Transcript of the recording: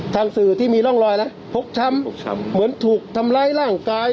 ทางสื่อที่มีร่องรอยนะพกช้ำเหมือนถูกทำร้ายร่างกาย